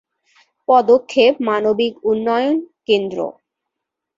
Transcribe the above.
পদক্ষেপ মানবিক উন্নয়ন কেন্দ্র।